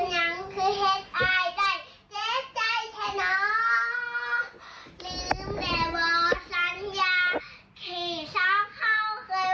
สิหักการมันเต้นยอดมือตายแต่สุดท้ายมันเป็นร้ายตาม